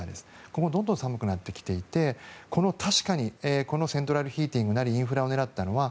今後どんどん寒くなってきていてこのセントラルヒーティングなりインフラを狙ったのは